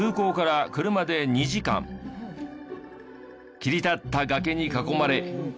切り立った崖に囲まれ。